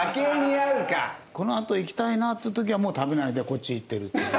このあといきたいなっていう時はもう食べないでこっちいってるっていう。